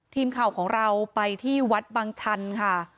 ทีมข่าวของเราไปที่วัดบางชันค่ะ